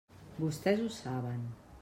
Vostès ho saben.